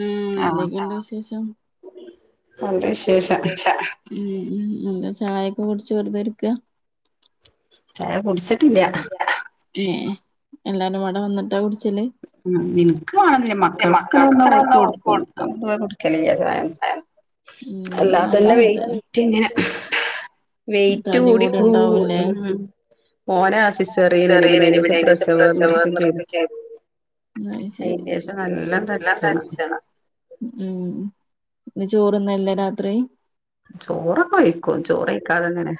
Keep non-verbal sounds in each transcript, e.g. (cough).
ഉം എന്തൊക്കെയുണ്ട് വിശേഷം? ഉം എന്താചായയൊക്കെ കുടിച്ച് വെറുതെരിക്കാ? ചായ കുടിച്ചിട്ടില്ല്യ എല്ലാരുംപ്പാടെ വന്നിട്ടാകുട് ഉം ഇൻക്ക്മാണന്നില്ല മക്കൾക്ക്ങ്ങനെവന്നഓർക്ക് കൊടുക്കും (unintelligible) അല്ലാതന്നെവെറ്റ് ഇങ്ങനെ വെയിറ്റ്കൂടികൂ മ്മ് മോനെ ആ സിസ്റിയെൻനു പിന്നെ അതിന്റെശം പ്രസവനൃതിംചെയ്തു അയിന്റെ ശേഷം നല്ലാംതടിച്ച്ണ് ഇ ചോറ്ന്നല്ലെരാത്രി? ചോറൊക്കൊഴിക്കും ചോറഴിക്കാതെങ്ങനാ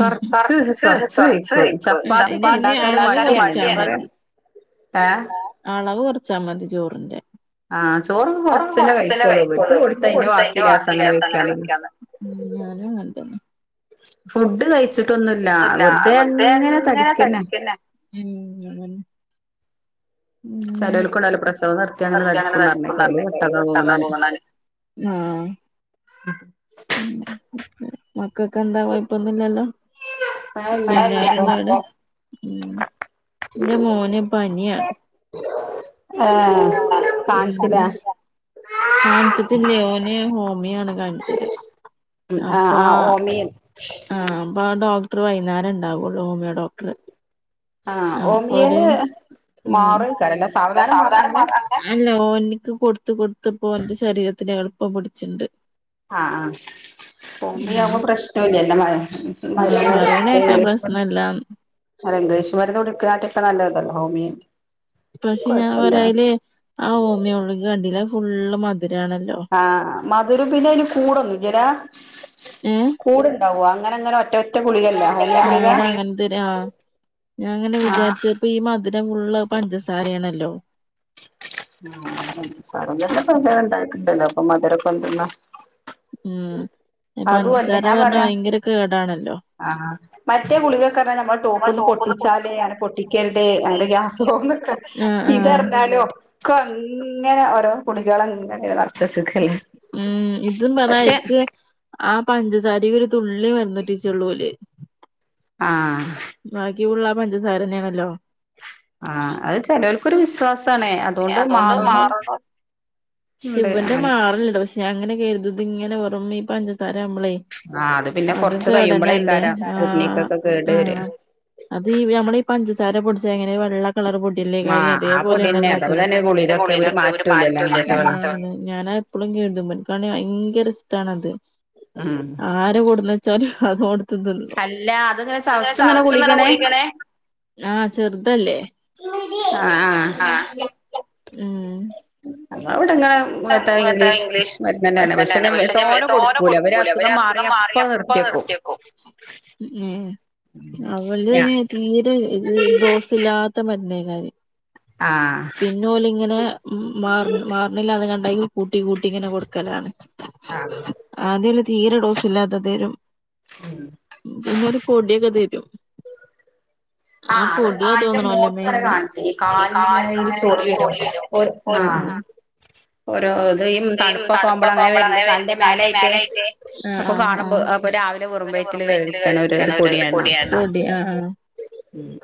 കൊർച്ച് കൊർ കൊറച്ചഴിക്കും ചപ്പാത്തി ഒണ്ടാക്കാന് പണിയാണ്. അളവ് കൊറച്ചാ മതി ചോറിന്റെ. ആ ചോറ് കൊറച്ചല്ലേ കഴിക്കൂളു കൊടുത്തയിന്റെ വാക്കിലേർങ്ങനെ വെക്ക എന്തന്ന്? (unintelligible) ഡ് കഴിച്ചിട്ടൊന്നുല്ല വെറുതെങ്ങനെ തടിക്കന്നെ. ഉം വെർതങ്ങനെ തടിക്കുംന്നറിഞ്ഞ് (unintelligible) ആ (inaudible) മക്കക്കെന്താ കൊയപ്പൊന്നുല്ലല്ലോ? ആ ഇല്ല ഉം ഇന്റെ മോന് പനിയാ. (inaudible) ഉം കാണിച്ചിട്ടില്ല ഓന് ഹോ മിയാണ് കാണിച്ചല് അപ്പാ ആ അപ്പാ ഡോ വൈന്നേരേണ്ടാവുള്ളൂ ഹോമിയേ ആ ഓമിയോല് മാറും കരല്ല സാവധാനം മാറും. അങ്ങനെ? ഓനിക്ക് കൊടുത്ത് കൊടുത്തിപ്പോ ഓന്റെ ശരീരത്തിന് എളുപ്പം പിടിച്ചിണ്ട്. ആ ആ (inaudible) ഹോമിയാവുമ്പ പ്രശ്നൊല്ലല്ലോ മ മരുന്നുകള് ഇംഗ്ലീഷ് മരുന്ന് ഇംഗ്ലീഷ് മരുന്ന് കൊടുക്കനാട്ടിക്കെ നല്ലല്ലേ ഹോമിയോ. പഷെ ഞാൻ പറയായില് ആ ഹോമിയോഗുളിക കണ്ടില്ലേ അത്ഫുള്ള് മ ആ മധുരം പിന്നയിന് കൂടൊന്നുല്ലലേ കൂടുണ്ടാവോ അങ്ങ അങ്ങനെ ഒറ്റൊ അതങ്ങൻതരാ ആ ഞാങ്ങനെ വിചാരിച്ചപ്പി മധു റ്റേ ഫുള്ള് പഞ്ചസാരയാണല്ലോ. ആ പഞ്ചസാരണ്ടായിട്ടുണ്ടല്ലോ അപ്പം മധുരൊക്കെ എന്തെന്നാ. ഉം പഞ്ചസാര പറഞ്ഞ ഭയങ്കര കേടാണല്ലോ. ആ മറ്റേ ഗുളികക്കറിഞ്ഞ്കഴിഞ്ഞ നമ്മൾ ടോപ്പൊന്ന് പൊട്ടിച്ചാലേ അങ്ങനെ പൊട്ടിക്കരുതേ അത് ഗ്യാസ് പോകുന്ന് ഇതറിഞ്ഞാലും ഒക്കങ്ങനെ ഓരോ ഗുളിഗകളങ്ങനെ എറ എസ് എൽ സി കയിഞ്ഞ് പഷെ ആ പഞ്ചസാര ഒരു തുള്ളി മരുന്നുറ്റിച്ചോള്ളൂലേ. ആ ബാക്കിയുള്ള പഞ്ചസാരന്നയാണല്ലോ. ആ അത് ചെലവർക്കൊരു വിശ്വാസം. അതുകൊണ്ട് മാറുള്ളൂ. ഇവന്റെ മാറ്ല്ലടൊ ഷെ ഞൻ അങ്ങനെ കരുതി ഇങ്ങനെ ഒറമ്മി സ്ഥലാമ്പളെ അതും കേടന്നല്ലേ ആ ആ അത് ഈ യമ്മളി പഞ്ചസാര പൊടിച്ച എങ്ങനെ വെള്ള കളർ പൊടിയല്ലേ കാര്യം അതേപോലന്നല്ലേ സിന്റെ ഗുളികക്ക്‌ ഒര് മാറ്റോം ഇല്ലല്ലോ ഞാനാ എപ്പളും കരുതും എനിക്കണേ വയങ്കര ഭയങ്കര ഇഷ്ട്ടാണത് ആര് കൊടുന്ന് വെച്ചാലും അതൊട് ടത്ത് തിന്നും ആ ഇങ്ങനെ ചവച്ച് തിന്ന് ണ ഗുളി കേണ് ആ ചെറ് ത് ആ ഉം എത്താ ഇംഗ്ലീഷ് മരുന്നന്നാണ് പക്ഷെ തോനെ കൊടുക്കൂല ഇവരെഅസുഖം മാറിയപ്പനിർത്തിവെക്കും. അവളയ്ന് തീരെ ഇത് ഡോസില്ലാത്ത മരു ന്നേക്കാരെ പിന്നോല് ങ്ങനെ മാർഞ്ഞു മാറ്ണില്ല ന്ന് കണ്ട ഈ കൂട്ടി കൂട്ടി ങ്ങനെ കൊട്ക്കലാണ് ആദ്യോല് തീരെ ഡോസ് ഇല്ലാത്തെ തെരും പിന്നൊരു പൊട്യോക്കെ തെരും ആഹ് അത് ആ ന്റെ മോൾക്കാടെ കാണിച്ചീനി കാല്ന്ങ്ങനെ രു ചൊറി വരും ആ ഓരോ യിം തണുപ്പൊക്കാവുമ്പളാ ങ്ങനെ വെല്ല്യാകാലിന്റെ മേലേയിറ്റ് അപ്പൊ കാണുമ്പോ അപ്പൊ രാവിലെ വെറും വയ റ്റിൽ കഴിക്കണൊര് പൊടിയാണ്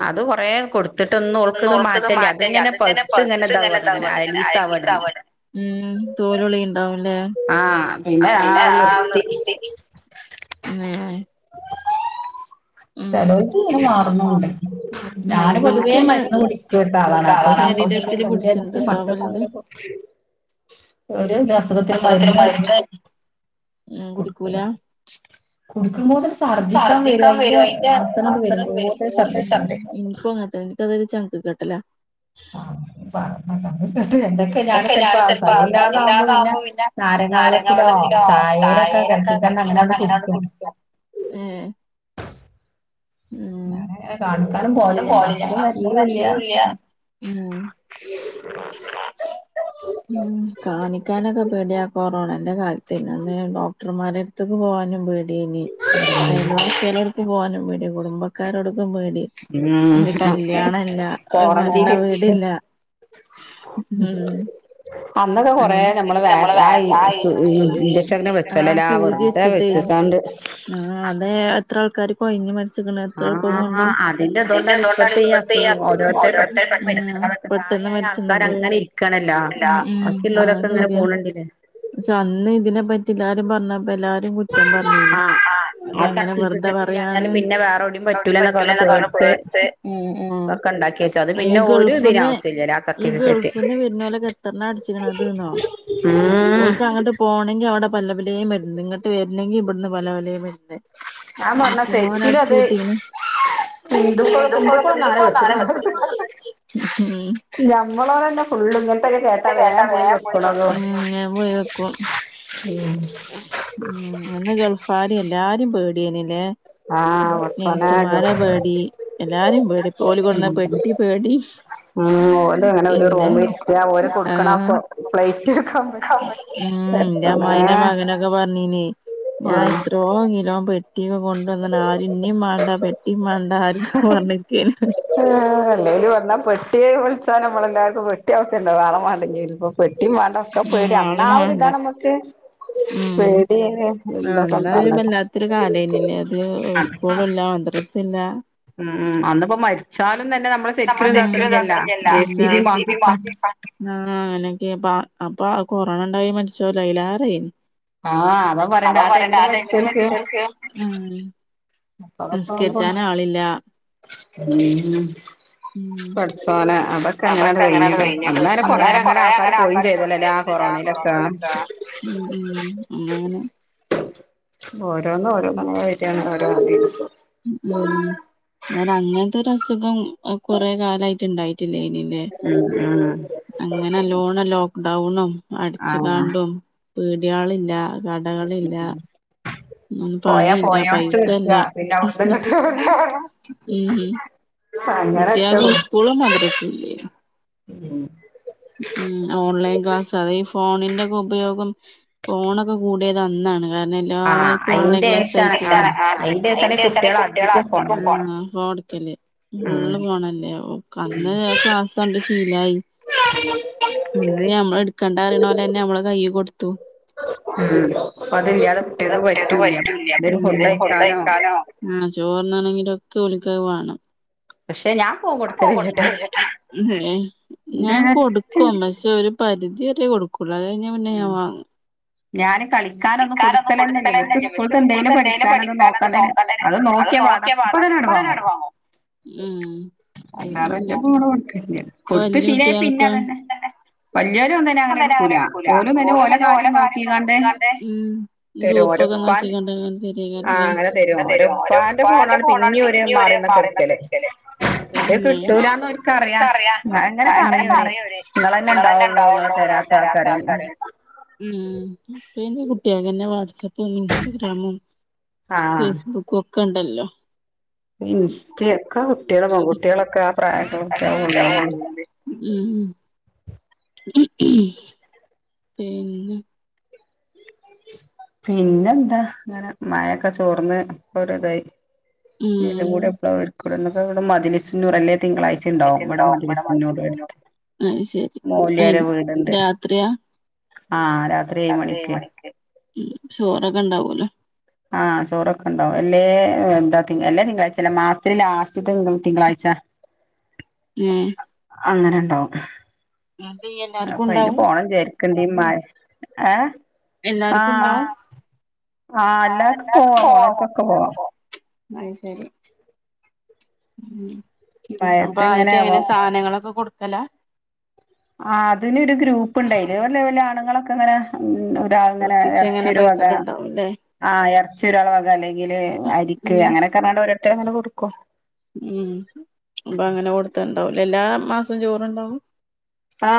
അത് കൊറേ കൊട് ത്തിട്ടൊന്നും ഓൾക്ക്ത് മാറ്റല്ല അത്ങ്ങനെ പൗത്ത്ങ്ങനെ താവും അത്ങ്ങനെ അലീസാവുംത്ങ്ങനെ. തോലൊളീ ണ്ടാവുംലേ പിന്നെ ആ നിർത്തീനി ഉം ചെലോൽത് വേം മാറ്ണുണ്ട് ഞാന് പൊതുവേ മരുന്ന് കുടിക്കാത്ത ആളാണ് അപ്പൊ പിന്നെ ഇന്ക്ക് വല്ല്യ ഇപ്പം മക്കക്ക്ങ്ങനെ കൊട് ഒര് താ അസുഖത്തിന് മര്ന്ന് കൊട്ക്കല കുടിക്കുമ്പോത്തിന് ഛർദ്ദിക്കാൻ വരും അയ്ന്റെ വാസന ട്ട് വരുമ്പോത്തിന് ഛർദ്ധിക്കാൻ വരാ എനിക്കതൊരു ചങ്ക് കെട്ടല ആ പറ ആ ഛർദി എന്തൊക്കെ ഞാൻ ചെൽപ്പോ സഹ്യല്ലാതാവുമ്പോ പിന്നെ നാരങ്ങ വള്ളത്തിലോ ചായേലൊ ക്കെ കൽക്കിക്കാണ്ട് അങ്ങനാണ്ട് കുടിക്കും ഉം ഞാനങ്ങനെ കാണും ക്കാലും പോവലില്ല ങ്ങനസുഖം വര്ലൂല്ല ഉം കാണിക്കാനൊക്കെ പേട്യ പ്പോ കൊറോണന്റെ കാലത്ത്ന്റന്ന് ഡോക്ടർമാരെട്ത്ത്ക്ക് പോവാനും പേ ട്യേനി അയൽവാസ്യളെട്ത്ത് പോവാനും പേട്യ കുടുംബക്കാരോട് പേടി ഒരു കല്യാണല്ല ഒരു മരണ വീടില്ല ഉം ഉം ആ സൂചി വെച്ച്ട്ടേ ആ അതെ എത്ര ആൾക്കാര് കൊയങ്ങി മരി ച്ച്ക്ക്‌ണ് എത്രള്പ്പംകോണ്ട് ഉം പ്പത്തെ ചെന്ന് മര്ച്ച്ണത് ആഹ് ശര്യാ ശെ അന്നിതിനെ പറ്റില്ലാരും പർഞ്ഞെ പ്പെല്ലാരും കുറ്റം പർഞ്ഞീനി അതെ അങ്ങനെ വെർതെ പറിയാണ് ഈ ഗൾഫ്ന്ന് ഈ ഗൾഫ്ന്ന് വർനോലൊക്കെത്രണ്ണാ അട്ച്ചി അത് ന്നോ ഓല്ക്കങ്ങട്ട് പോണെങ്കി അ ടെ പലപലെ മര്ന്ന് ങ്ങട്ട് വര്ണെങ്കി ബട്ന്ന് പലപലേ മര് ന്ന് ത്രങ്ങാനും അട്ച്ചു കൂട്ടീണ് (inaudible) ഉം ഉം ഞമ്മളോട ന്നെ ഫുള്ള്ങ്ങനെ തൊക്കെ കേട്ടാ വേം പോയി വെക്ക്ണതോ ഉം അന്ന് ഗൾഫാര് എല്ലാരിം പേട്യേനിലെ നെയ്സ്മാരെ പേടി എല്ലാരിം പേടി പ്പോൽ കൊണ്ടന്ന പെട്ടി പേടി ഉം ഓല ങ്ങനെ ഒരു റൂമിര്ക്കാ ഓര് കൊട്ക്ക്ണാ പ്ലെയ്റ്റ് ട്ക്കാൻ പ പട്സോനെ ന്റെ മകനൊക്കെ പറഞ്ഞീനി ഞാൻ എത്രോ കിലോം പെ ട്ട്യോക്കെ കൊണ്ടോന്ന്ണ് ആര് ന്നിം മാണ്ട പെ ട്ടിം മാണ്ടാആർക്കും പർഞ്ഞിര്ക്കേനി പെട്ടിയൊക്കേ പൊളിച്ചാൻ ഞമ്മൾക്കാ എല്ലാർക്കും പെട്ടിഔസ്യം ഉണ്ടാകും ആളെ മാ വരുംബൊ പെട്ടി വേണ്ട ഒക്കെ പേടി അന്നാ ഒരു ഇതാണ് നമ്മക്ക് ഉം ആ അന്നാ ഒരു വല്ലാത്തൊരു കാലേനല്ലേ അത് സ്കൂളല്ലാം മധ്രസല്ല ഉം അന്നുപ്പോ മരിച്ചാൽ ആനക്ക (unintelligible) അപ്പൊ കൊറോണ ണ്ടായി മരിച്ചോല് അയിലരേയ്നു അതാ പറയണ്ട ആ ടൈമിൽ മരിച്ചൊലൽക്ക്, ഉം നിസ്കരിച്ചാൻ ആളില്ല ഉം ഉം അതൊക്കെ അങ്ങന കഴിഞ്ഞ് അങ്ങനെ കൊറേ അങ്ങനെ ആൾക്കാര് പോയിചെയ്ത്ണ്ലെ കൊ പിന്നതാഉ ഉ അങ്ങനെ ഓരോന്ന് ഓരോന്ന്‌ അങ്ങനെ വരാണ് ഓരോ ആൾക്കാർക്ക് ആ ഉം എന്നാലും അങ്ങനത്തെ ഒരു അസുഖം കൊറെ കാലായിട്ട് ഇണ്ടായിട്ടില്ലേനി ലെ അങ്ങനെനല്ലോണം ലൊ ക്ഡൗണും അടിച്ചുങാണ്ടും പീഡിയാൾല്ല കടകളില്ല ഒന്നും പണിയില്ല പൈസല്ല അ ഉം കുട്ടൾക്ക് സ്കൂളും മാധ്രസും ഇല്യനു ഉ ഓൺലൈൻ ക്ലാസ്സാ അത് ഈ ഫോണിന്റെക്കെ ഉപയോഗം ഫോണൊക്കെ കൂടിയത് അന്നാണ് എല്ലർക്കും ഓൺലൈൻ ക്ലാസായ്‌ട്ട് ഉം ട്ക്കൽ ഫുള്ള് ഫൊണല്ലേ ഓൾക്ക് അന്ന് ആ ക്ലാസ് കണ്ട് ശീലായി അ ഞമ്മള് ഇടുക്കണ്ട അറിയണോലെന്നെ നമ്മള് കൈയ്യ് കൊടുത്തു പ്പോ ഒറ്റക്ക് പറ്റൂല ഉം ന്തേലും ഫുഡ്‌ കയ്ക്കാനോ ഉം ചോർ ന്നാണെങ്കിലൊക്കെ ഓൾക്കതുവാണം പക്ഷെ ഞാൻ ഞാൻ കൊടുക്കുംപക്ഷെ ഒരു പരിധി വരെ കൊടുക്കുള്ളൂ അത് കഴിഞ്ഞ പിന്നെ ഞാൻ വാങ്ങും ഞാാന് കളിക്കാനൊന്നും കൊടുക്കലന്നല്ല ഇവക്ക് സ്കൂളത്തെ എന്തേലും പഠിക്കാനന്നും നോക്കെ അത് നോക്കിയാ അപ്പതന്നെ അങ്ങട്ട് വാങ്ങും അല്ലാതെ ന്റെ ഫോൺ കൊടുക്കലില്ല കൊടുത്ത ശീലയായ പിന്നെ തന്നെ അതെന്നെ വല്യോൽ ഒന്നും തന്നെ അങ്ങനെ എടുക്കൂല ഓലും തന്നെ ഓലോ കാര്യം നോക്കീ കാണ്ട് തരൂ ഒരപ്പാൻ ആ അങ്ങനെ തരും ഒരപ്പാന്റെ ഫോണാണ് പിന്നിം ഓര് മാറിന്നൊക്കെ ഇടുക്കല് ഇന്റേത് കിട്ടൂലന്ന് ഒൽക്കറിയാം എങ്ങനെ പറയാ അവര് ഇങ്ങളെന്നെ ഉണ്ടാവുള്ളൂ തരാത്താൾക്കാര്ഉം ഉം ഇപ്പ അയിൻ കുട്ടിയകെന്നെ വാട്സാപ്പും ഇൻസ്റ്റാഗ്രാമും ഫേസ്ബുക്ക് ഒക്കെ ഉണ്ടല്ലോ ഇൻസ്റ്റ ഒക്കെ കുട്ടികള് പെൺകുട്ടികളൊക്കെ പ്രായ കടുക്കാൻ പോതി (inaudible) (unintelligible) ഹ് ഹും പിന്നെ പിന്നെന്താ അങ്ങനെ മഴൊക്കെ ചോർന്ന് ഇപ്പൊ ഒരുഇതായി എലും കൂടി എട മതിലൂറല്ലേ (unintelligible) തിങ്കളാഴ്ച ഉണ്ടാവും ഇവിടെ മജ്ലിസുന്നൂർ എടുത്ത് മോലിയാരെ വീടുണ്ട് ആഹ രാത്രി ഏഴ് മണിക്ക് ഉം ചോറൊക്കെ ഉണ്ടാവൂലോ ആഹ് ചോറൊക്കെ ഉണ്ടാവും എല്ലേ എന്താ എല്ലാ തിങ്കളാഴ്ചല്ല മാസത്തിൽ ലാസ്റ്റ് തിങ്കളാഴ്ച ഉം അങ്ങനെഉണ്ടാ അപ്പൊഅയിന് പോണോവിചാരിക്കണ്ട് മഴ ഏ ആ ആ എല്ലർ പോ (unintelligible) പോവാ ഉം അപ്പൊ അയിക്കെ എങ്ങനെ സാധനങ്ങളൊക്കെ കൊടുതല്ല ആ അതിന്നൊരു ഗ്രൂപ്പ് ഉണ്ടായില്ല് ആയില്ല് വല്ല വല്ല ആണുങ്ങളൊക്കെ അങ്ങനെ റ്റങ്ങന്നെ ഇറച്ചിരുങ്ങന്നെ ആഹ് ഇറച്ചിയൊരാളവക അല്ലെങ്കില് അരിക്ക് അങ്ങനൊക്കാ വീണ്ടോരൊക്കെ അങ്ങനെ കൊടുക്കും ഉം അപ്പൊ അങ്ങനെ കൊടുതുണ്ടാവുല്ലേ എല്ലാ മാസവും ചോറുണ്ടാവും ആ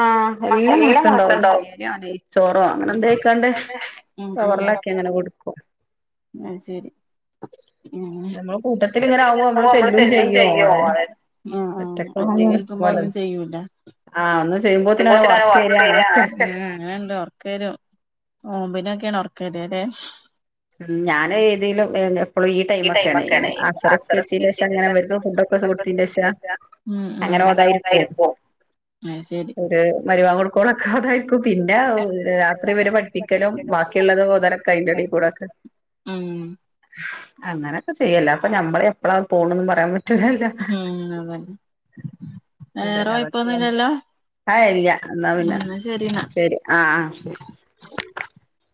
എല്ലാ മാസം ഉണ്ടാവു ബിരിയാണിയോ നോയ്ച്ചോറോ അങ്ങനെ എന്തക്കാണ്ട് കൊളൊക്കെ അങ്ങനെ എങ്ങനെകൊടുക്കും ആ ശെരി (unintelligible) (unintelligible) ആ ഒറ്റകാക്കുമ്പോ ഒന്നും ചെയ്യൂല്ല ഉം എന്തോ (unintelligible) ഓമ്പിനൊക്കെയാണ് ഉറക്കതെ അല്ലെ ഉം ഞാൻ ഏതേലും എന്നെ അപ്പോളും ഈ ടൈം ഒക്കെയാണ് ഈ അസറസ് സീരിച്ചതിന്റെ ശേഷം അങ്ങനെ വരുന്ന ഫുഡ്ടൊക്കെ (unintelligible) ശ അങ്ങ അങ്ങനെ ഒര് മരുവ കൊടുകൊളം അതായിക്കും പിന്നെ രാത്രി വരെ പഠിപ്പിക്കലും ബാക്കിയുള്ളത് ഓതനകയിന്റെടെകൂടെ ഉം അങ്ങനെയൊക്കെ ചെയ്യല്ല അപ്പൊ ഞമ്മള് ഇപ്പോള്ള പോണന്ന് പറയാൻ ഉം അതന്നെ വേറെോ ഇപ്പോ ഒന്നുല്ലല്ലോ അയ്യാ എന്നാ പിന്നെ ശരി ആ ആ ശരി (unintelligible)